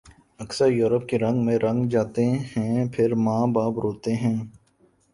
اکثر یورپ کے رنگ میں رنگ جاتے ہیں پھر ماں باپ روتے ہیں